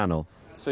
そう。